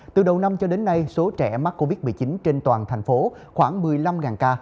từ đầu năm cho đến nay số trẻ mắc covid một mươi chín trên toàn thành phố khoảng một mươi năm ca